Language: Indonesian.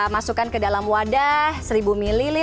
masukkan ke dalam wadah seribu ml